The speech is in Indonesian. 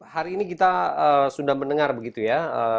hari ini kita sudah mendengar begitu ya